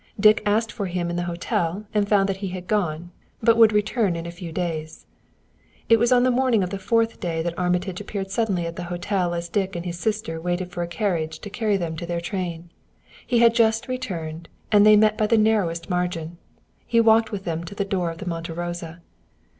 Dick asked for him in the hotel, and found that he had gone, but would return in a few days. It was on the morning of the fourth day that Armitage appeared suddenly at the hotel as Dick and his sister waited for a carriage to carry them to their train. He had just returned, and they met by the narrowest margin. He walked with them to the door of the Monte Rosa.